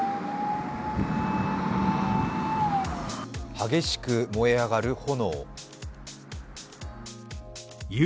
激しく燃え上がる炎。